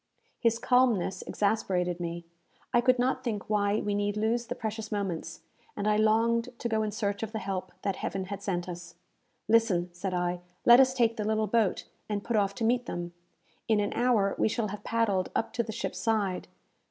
His calmness exasperated me. I could not think why we need lose the precious moments, and I longed to go in search of the help that Heaven had sent us. "Listen," said I. "Let us take the little boat, and put off to meet them. In an hour we shall have paddled up to the ship's side.